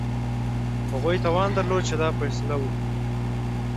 هغوی توان درلود چې دا فیصله وکړي.